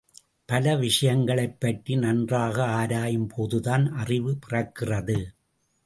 பல விஷயங்களைப் பற்றி, நன்றாக ஆராயும் போதுதான் அறிவு பிறக்கிறது.